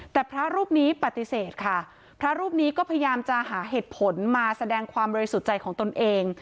แต่พระรูปนี้ปฏิเสธค่ะพระรูปนี้ก็พยายามจะหาเหตุผลมาแสดงความบริสุทธิ์ใจของตนเอง